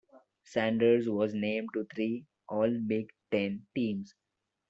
Sanders was named to three All-Big Ten teams.